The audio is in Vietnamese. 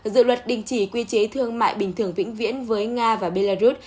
dự luật đình chỉ quy chế thương mại bình thường vĩnh viễn với nga và belarus